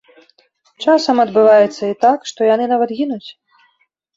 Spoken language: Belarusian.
Часам адбываецца і так, што яны нават гінуць.